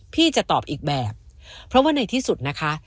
พี่จะตอบอีกแบบเพราะว่าในที่สุดนะคะ